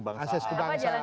jadi akses ke bangsa